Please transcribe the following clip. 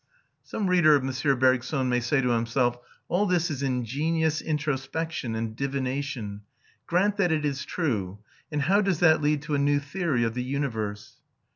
Some reader of M. Bergson might say to himself: All this is ingenious introspection and divination; grant that it is true, and how does that lead to a new theory of the universe?